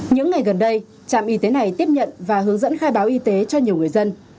những ngày gần đây trạm y tế này tiếp nhận và hướng dẫn khai báo y tế cho nhiều người dân